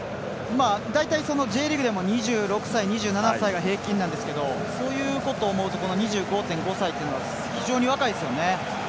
大体Ｊリーグでも２６歳、２７歳が平均なんですがそういうことを思うとこの２５．５歳っていうのは非常に若いですよね。